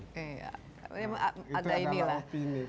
itu adalah opini